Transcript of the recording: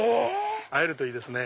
会えるといいですね。